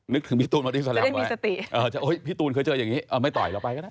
นึกถึงพี่ตูนพอดีสักแล้วจะได้มีสติเออพี่ตูนเคยเจออย่างงี้เอาไม่ต่อยแล้วไปก็ได้